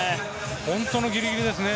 本当のギリギリですね。